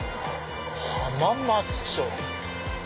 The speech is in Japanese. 浜松町。